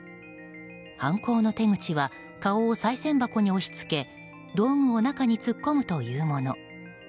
犯行の手口は顔をさい銭箱に押し付け道具を中に突っ込むというもの。